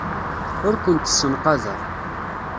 Ur kent-ssenqadeɣ.